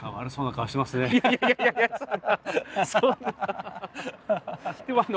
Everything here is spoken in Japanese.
はいいやいやいやいやそんな。